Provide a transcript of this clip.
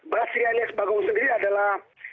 basri alias bagong sendiri adalah